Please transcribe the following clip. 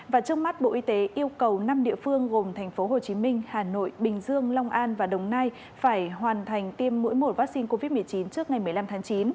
và trước mắt bộ y tế yêu cầu năm địa phương gồm thành phố hồ chí minh hà nội bình dương long an và đồng nai phải hoàn thành tiêm mũi một vaccine covid một mươi chín trước ngày một mươi năm tháng chín